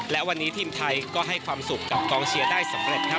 และวันนี้ทีมไทยก็ให้ความสุขกับกองเชียร์ได้สำเร็จครับ